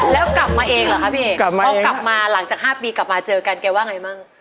แล้วกลับมาเองเหรอคะพี่เอกพอกลับมาหลังจาก๕ปีกลับมาเจอกันแกว่าไงมั่ง